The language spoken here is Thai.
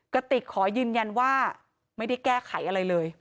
กระติกขอยืนยันว่าไม่ได้แก้ไขอะไรเลย